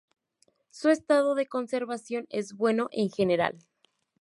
Su estado de conservación es bueno en general.